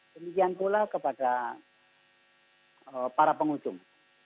demikian pula kepada para pengunjung